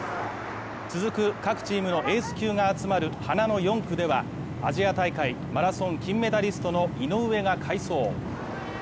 続く各チームのエース級が集まる花の４区ではアジア大会マラソン金メダリストの井上が快走。